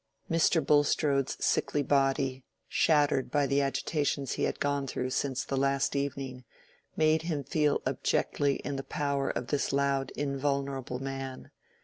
Mr. Bulstrode's sickly body, shattered by the agitations he had gone through since the last evening, made him feel abjectly in the power of this loud invulnerable man.